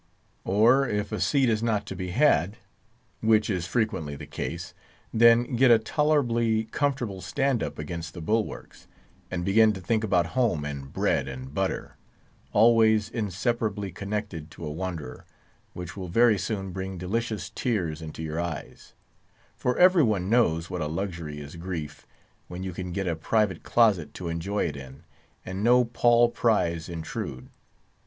Or if a seat is not to be had—which is frequently the case—then get a tolerably comfortable stand up against the bulwarks, and begin to think about home and bread and butter—always inseparably connected to a wanderer—which will very soon bring delicious tears into your eyes; for every one knows what a luxury is grief, when you can get a private closet to enjoy it in, and no Paul Prys intrude.